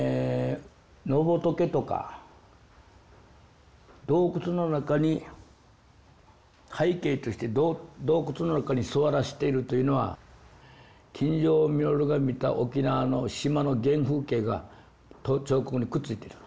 野仏とか洞窟の中に背景として洞窟の中に座らせているというのは金城実が見た沖縄の島の原風景が彫刻にくっついてる。